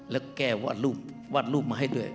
แล้วก็แก้วาดรูปมาให้ด้วย